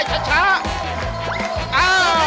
จัดช้า